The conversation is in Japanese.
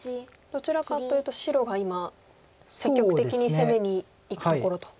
どちらかというと白が今積極的に攻めにいくところと。